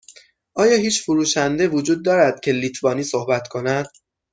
آیا هیچ فروشنده وجود دارد که لیتوانی صحبت کند؟